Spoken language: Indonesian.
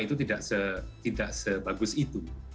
tidak sebagus itu